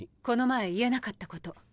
この前言えなかったこと。